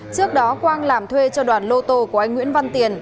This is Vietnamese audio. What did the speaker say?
trước đó quang làm thuê cho đoàn lô tô của anh nguyễn văn tiền